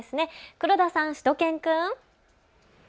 黒田さん、しゅと犬くん。